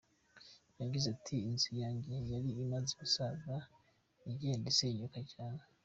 Yagize ati “Inzu yanjye yari imaze gusaza igenda isenyuka cyane.